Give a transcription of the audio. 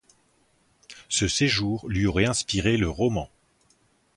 Ce séjour lui aurait inspiré le roman.